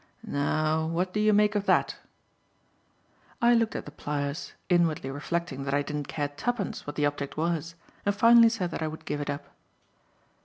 Now, what do you make of that?" I looked at the pliers, inwardly reflecting that I didn't care twopence what the object was, and finally said that I would give it up.